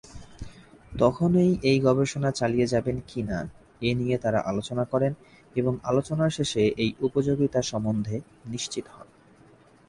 তখনই এ গবেষণা চালিয়ে যাবেন কি-না এ নিয়ে তারা আলোচনা করেন এবং আলোচনার শেষে এর উপযোগিতা সম্বন্ধে নিশ্চিত হন।